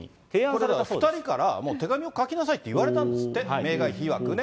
これは２人から、手紙を書きなさいって言われたんですって、メーガン妃いわくね。